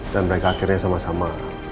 dan mereka akhirnya sama sama